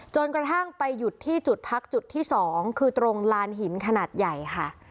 จนกระทั่งไปหยุดที่จุดพักจุดที่๒คือตรงลานหินขนาดใหญ่ค่ะ